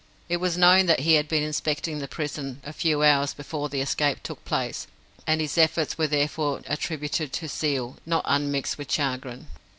It was known that he had been inspecting the prison a few hours before the escape took place, and his efforts were therefore attributed to zeal, not unmixed with chagrin.